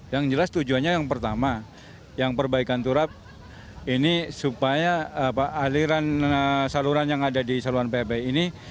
yang jelas tujuannya yang pertama yang perbaikan turap ini supaya aliran saluran yang ada di saluran pmi ini